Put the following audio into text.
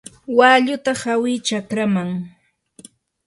walluta hawi chakraman.